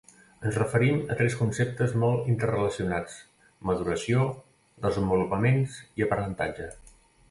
Ens referim a tres conceptes molt interrelacionats: maduració, desenvolupaments i aprenentatge.